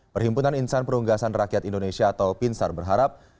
perhimpunan insan perunggasan rakyat indonesia atau pinsar berharap